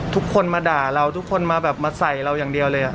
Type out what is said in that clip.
ทุกคนมาด่าเราทุกคนมาแบบมาใส่เราอย่างเดียวเลย